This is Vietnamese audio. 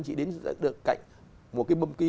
chỉ đến được cạnh một cái bâm ký